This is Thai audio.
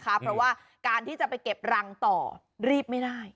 เพราะว่าการที่จะไปเก็บรังต่อรีบไม่ได้